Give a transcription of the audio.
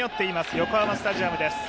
横浜スタジアムです。